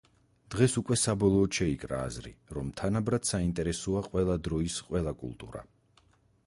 დღეს უკვე საბოლოოდ შეიკრა აზრი რომ თანაბრად საინტერესოა ყველა დროის ყველა კულტურა.